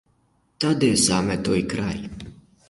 Та де саме той край?